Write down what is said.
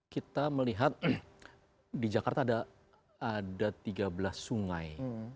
kita melihat di jakarta ada tiga belas sungai